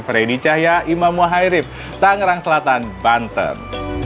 fredy cahya imam muhaerif tangerang selatan banten